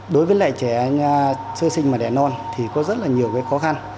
đối với lại trẻ sơ sinh mà đẻ non thì có rất là nhiều cái khó khăn